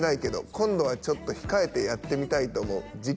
「今度はちょっとひかえて」「やってみたいと思う」